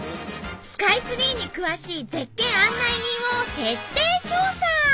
スカイツリーに詳しい絶景案内人を徹底調査。